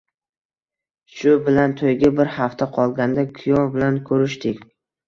Shu bilan toʻyga bir hafta qolganda kuyov bilan koʻrishdik.